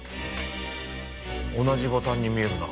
同じボタンに見えるな。